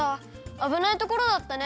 あぶないところだったね！